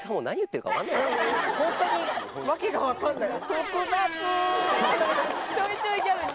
ホントに訳が分かんない。